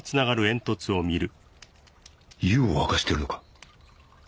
湯を沸かしてるのか？